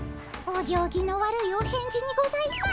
お行儀の悪いお返事にございま。